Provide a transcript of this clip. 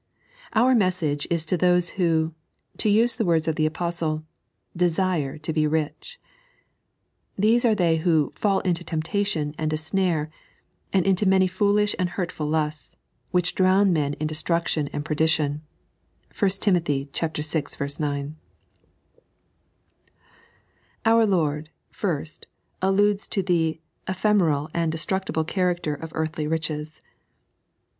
Our message is to those who, to use the words of the Apostle, dtsuv to be rich. These are they who "fall into temptation and a snare, and into many foolish and hurtful lusts, which drown men in destruction and perdition" (1 Tim. vi. 9). Our Loi'd, first, alludes to ike ephemeral <md <Ustructible chanxoter of earthly riehet.